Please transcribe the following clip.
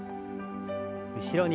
後ろに。